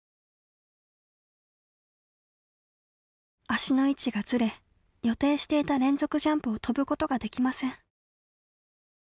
足の位置がずれ予定していた連続ジャンプを跳ぶことができません。